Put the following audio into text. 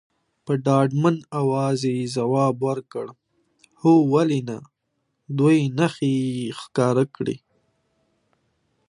په ډاډمن اواز یې ځواب ورکړ، هو ولې نه، دوې نښې یې ښکاره کړې.